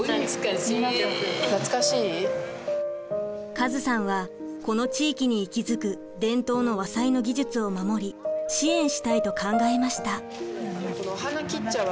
カズさんはこの地域に息づく伝統の和裁の技術を守り支援したいと考えました。